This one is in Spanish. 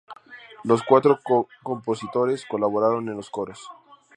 Los cuatro co-compositores colaboraron en los coros.